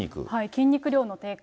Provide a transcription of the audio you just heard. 筋肉量の低下。